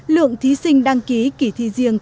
lượng thí sinh đăng ký kỷ thi riêng